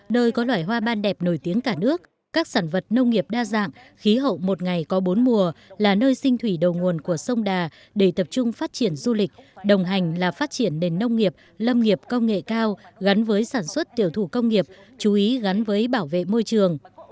nơi có loài hoa ban đẹp nổi tiếng cả nước các sản vật nông nghiệp đa dạng khí hậu một ngày có bốn mùa là nơi sinh thủy đầu nguồn của sông đà để tập trung phát triển du lịch đồng hành là phát triển nền nông nghiệp lâm nghiệp công nghệ cao gắn với sản xuất tiểu thủ công nghiệp chú ý gắn với bảo vệ môi trường